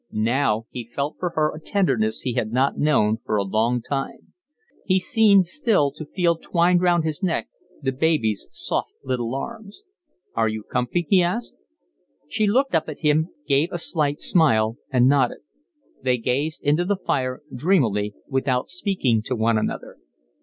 Now he felt for her a tenderness he had not known for a long time. He seemed still to feel twined round his neck the baby's soft little arms. "Are you comfy?" he asked. She looked up at him, gave a slight smile, and nodded. They gazed into the fire dreamily, without speaking to one another.